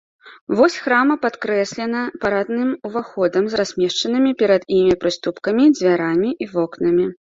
Вось храма падкрэслена парадным уваходам з размешчанымі перад ім прыступкамі, дзвярамі і вокнамі.